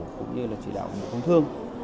cũng như là chỉ đạo của người thông thương